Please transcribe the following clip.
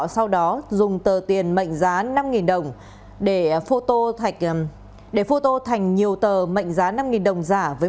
sau đó dùng tờ tiền mệnh giá năm đồng để phô tô thành giá